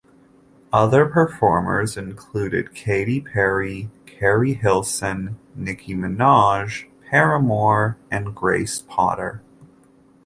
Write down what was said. Other performers included Katy Perry, Keri Hilson, Nicki Minaj, Paramore and Grace Potter.